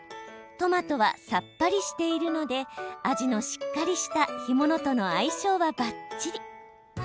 トマトはさっぱりしているので味のしっかりした干物との相性はばっちり。